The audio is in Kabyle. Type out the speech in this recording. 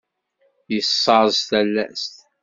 Yessaẓ talast.